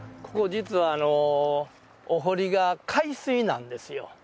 ここ実はお堀が海水なんですよ。